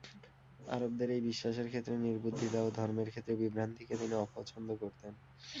আরবদের এই বিশ্বাসের ক্ষেত্রে নির্বুদ্ধিতা ও ধর্মের ক্ষেত্রে বিভ্রান্তিকে তিনি অপছন্দ করতেন।